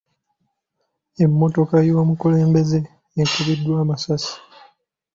Emmotoka y'omukulembeze ekubiddwa amasasi.